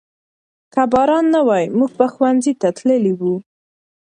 که باران نه وای موږ به ښوونځي ته تللي وو.